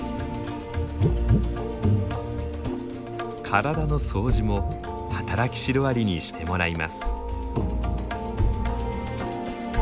体の掃除も働きシロアリにしてもらいます。